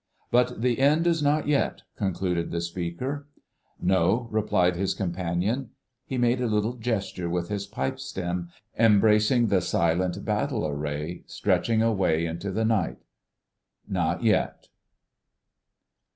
"But the end is not yet," concluded the speaker. "No," replied his companion. He made a little gesture with his pipe stem, embracing the silent battle array stretching away into the night. "Not yet."